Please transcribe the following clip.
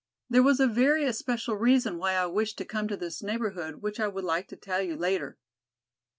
There was a very especial reason why I wished to come to this neighborhood which I would like to tell you later.